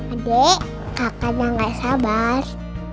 adik kakaknya gak sabar